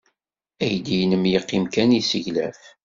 Aydi-nni yeqqim kan yesseglaf.